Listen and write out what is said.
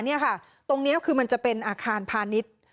นี่ค่ะตรงนี้คือมันจะเป็นอาคารพาณิชย์